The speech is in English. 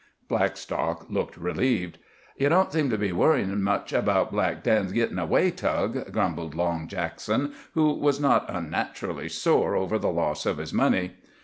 Blackstock looked relieved. "Ye don't seem to be worryin' much about Black Dan's gittin' away, Tug," grumbled Long Jackson, who was not unnaturally sore over the loss of his money.